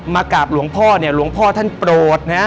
มากราบหลวงพ่อหลวงพ่อท่านโปรด